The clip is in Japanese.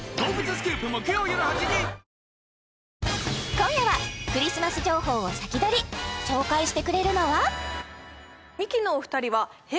今夜はクリスマス情報を先取り紹介してくれるのはミキのお二人ははい？